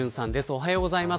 おはようございます。